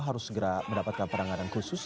harus segera mendapatkan penanganan khusus